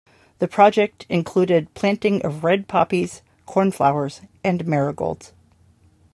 The project included planting of red poppies, cornflowers, and marigolds.